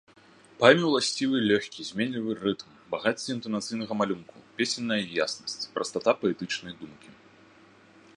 Паэме ўласцівы лёгкі, зменлівы рытм, багацце інтанацыйнага малюнку, песенная яснасць, прастата паэтычнае думкі.